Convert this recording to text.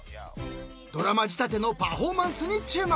［ドラマ仕立てのパフォーマンスに注目］